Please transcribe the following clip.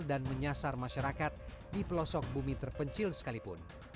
dan menyasar masyarakat di pelosok bumi terpencil sekalipun